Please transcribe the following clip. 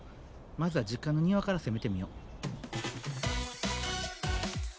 まずは実家の庭から攻めてみよ。